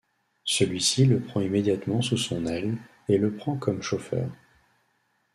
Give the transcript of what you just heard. Celui-ci le prend immédiatement sous son aile et le prend comme chauffeur.